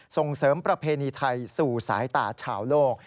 ส่งเสริมประเพณีไทยสู่สายตาชาวโลก